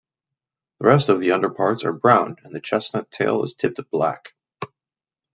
The rest of the underparts are brown, and the chestnut tail is tipped black.